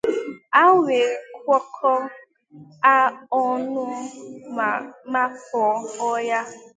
ha wee kwòkọọ ọnụ ma makpuo ọhịa.